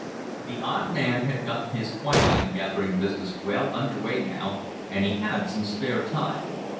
The odd man had gotten his quinine gathering business well under way now, and he had some spare time.